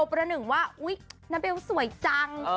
ประหนึ่งว่าอุ๊ยนาเบลสวยจัง